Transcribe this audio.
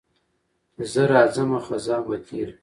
چي زه راځمه خزان به تېر وي